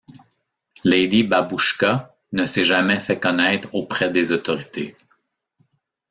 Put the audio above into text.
Lady Babushka ne s'est jamais fait connaître auprès des autorités.